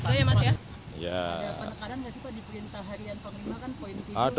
ada penekanan nggak sih pak di perintah harian panglima kan poin tujuh